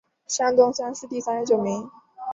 山东乡试第三十九名。